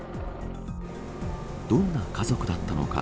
どんな家族だったのか。